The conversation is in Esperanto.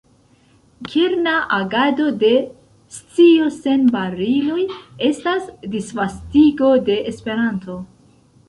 Kerna agado de “Scio Sen Bariloj” estas disvastigo de Esperanto.